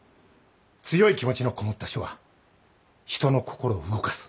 強い気持ちのこもった書は人の心を動かす。